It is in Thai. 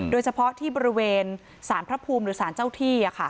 โดยเฉพาะที่บริเวณสารพระภูมิหรือสารเจ้าที่